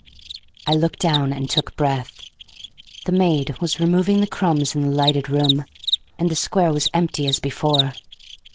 I looked down and took breath. The maid was removing the crumbs in the lighted room, and the square was empty as before.